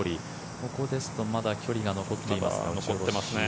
ここですとまだ距離が残っていますが。